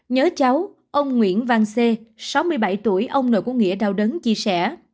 nhớ cháu ông nguyễn văn xê sáu mươi bảy tuổi ông nội của nghĩa đau đớn chia sẻ